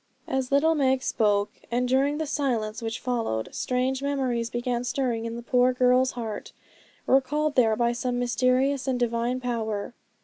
As little Meg spoke, and during the silence which followed, strange memories began to stir in the poor girl's heart, recalled there by some mysterious and Divine power.